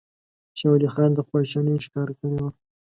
شاه ولي خان خواشیني ښکاره کړې وه.